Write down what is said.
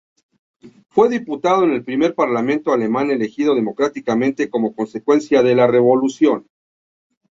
Fue diputado en el primer parlamento alemán elegido democráticamente como consecuencia de la revolución.